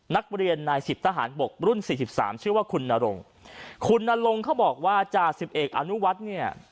นักเรียนใน๑๐ทหารปกรุ่น๔๓ชื่อว่าคุณนรงคุณนรงเขาบอกว่าอาจารย์๑๑อนุวัฒน์เนี่ย